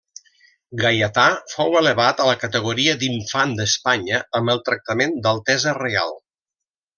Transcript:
Gaietà fou elevat a la categoria d'infant d'Espanya amb el tractament d'altesa reial.